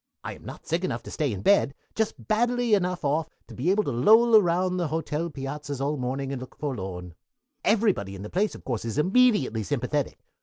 I am not sick enough to stay in bed, but just badly enough off to be able to loll around the hotel piazzas all morning and look forlorn. "Everybody in the place, of course, is immediately sympathetic.